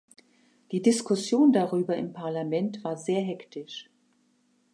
Die Diskussion darüber im Parlament war sehr hektisch.